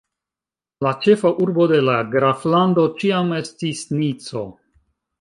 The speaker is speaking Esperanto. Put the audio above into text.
La ĉefa urbo de la graflando ĉiam estis Nico.